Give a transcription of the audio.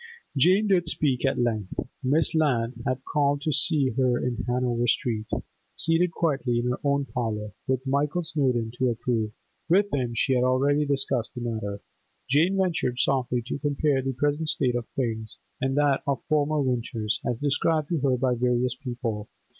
Jane did speak at length. Miss Lant had called to see her in Hanover Street; seated quietly in her own parlour, with Michael Snowdon to approve—with him she had already discussed the matter—Jane ventured softly to compare the present state of things and that of former winters, as described to her by various people.